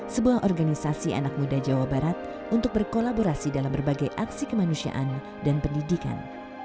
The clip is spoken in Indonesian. sebuah organisasi anak muda jawa barat untuk berkolaborasi dalam berbagai aksi kemanusiaan dan pendidikan